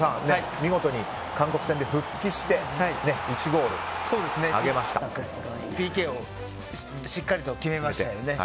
見事に韓国戦で復帰してＰＫをしっかりと決めましたよね。